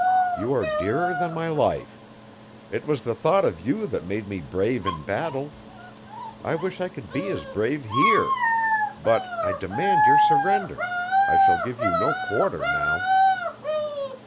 You are dearer than my life. It was the thought of you that made me brave in battle. I wish I could be as brave here. But I demand your surrender I shall give you no quarter now.